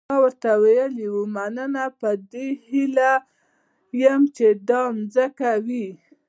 ما ورته وویل مننه په دې هیله یم چې دا مځکه وي.